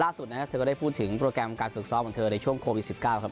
นะครับเธอก็ได้พูดถึงโปรแกรมการฝึกซ้อมของเธอในช่วงโควิด๑๙ครับ